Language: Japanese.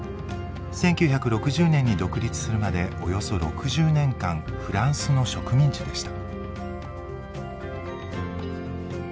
１９６０年に独立するまでおよそ６０年間フランスの植民地でした。